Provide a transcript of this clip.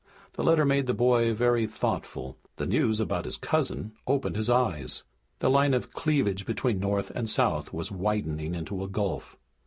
The letter made the boy very thoughtful. The news about his cousin opened his eyes. The line of cleavage between North and South was widening into a gulf.